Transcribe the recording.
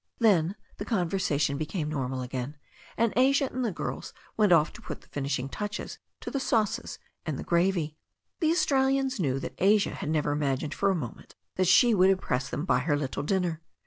Then the conversation became normal again, and Asia and the girls went off to put the finishing touches to the sauces and the gravy. The Australians knew that Asia had never itnaj^xv^^ \^x 294 THE STORY OF A NEW ZEALAND RIVER a moment that she would impress them by her little dinner.